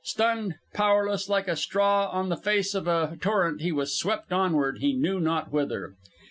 Stunned, powerless, like a straw on the face of a torrent, he was swept onward he knew not whither.